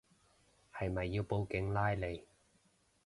係咪要報警拉你